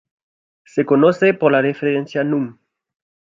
Se conoce por la referencia núm.